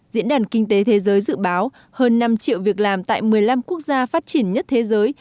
diễn đàn kinh tế thế giới dự báo hơn năm triệu việc làm tại một mươi năm quốc gia phát triển nhất thế giới